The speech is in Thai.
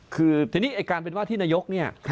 คือทีนี้ไอ้การเป็นว่าที่นายกเนี่ย